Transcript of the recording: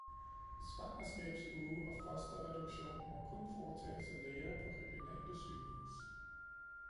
svangerskabsuge og fosterreduktion må kun foretages af læger på regionale sygehuse